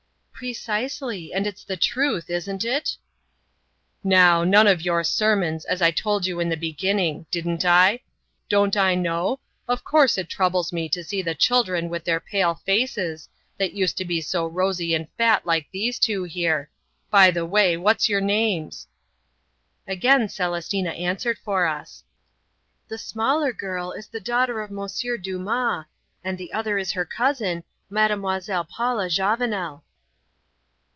"Precisely! And that's the truth; isn't it?" "Now none of your sermons, as I told you in the beginning; didn't I? Don't I know? Of course it troubles me to see the children with their pale faces, that used to be so rosy and fat like these two here. By the way what's your names?" Again Celestina answered for us "The smaller girl is the daughter of Monsieur Dumas, and the other is her cousin, Mademoiselle Paula Javanel."